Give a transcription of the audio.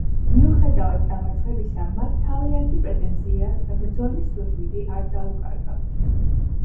მიუხედავად დამარცხებისა, მათ თავიანთი პრეტენზია და ბრძოლის სურვილი არ დაუკარგავთ.